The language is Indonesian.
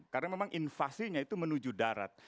karena memang invasinya itu menuju darat